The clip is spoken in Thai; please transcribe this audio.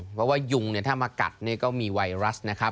เพราะว่ายุงในสิ่งถ้ามากัดก็มีไวรัส